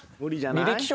履歴書。